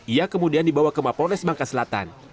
ia kemudian dibawa ke mapolres bangka selatan